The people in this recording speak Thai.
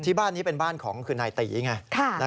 ที่บ้านนี้เป็นบ้านของคือนายตีไง